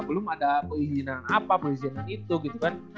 belum ada keizinan apa keizinan itu gitu kan